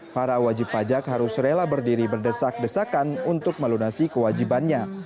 para wajib pajak harus rela berdiri berdesak desakan untuk melunasi kewajibannya